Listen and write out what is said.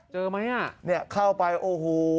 เจอไหมอ่ะเนี่ยเข้าไปโอ้โห